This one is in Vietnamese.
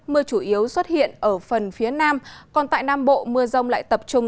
mưa chủ yếu xuất hiện ở phần phía nam còn tại nam bộ mưa rông lại tập trung